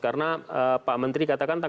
karena pak menteri katakan tanggal satu kan